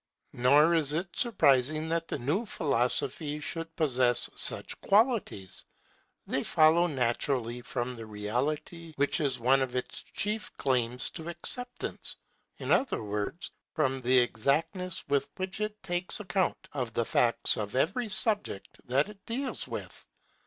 Nor is it surprising that the new philosophy should possess such qualities. They follow naturally from the reality which is one of its chief claims to acceptance; in other words, from the exactness with which it takes account of the facts of every subject that it deals with.